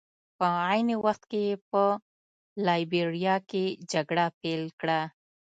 په عین وخت کې یې په لایبیریا کې جګړه پیل کړه.